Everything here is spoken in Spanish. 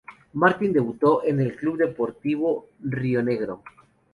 Marin debutó en el club Deportivo Rionegro.